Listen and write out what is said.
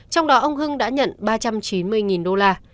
trong đó ông hưng đã nhận ba trăm chín mươi đô la